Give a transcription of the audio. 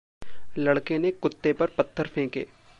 लड़के ने कुत्ते पर पत्थर फेंके।